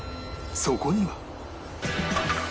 そこには